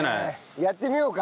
やってみようか！